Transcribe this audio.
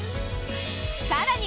さらに！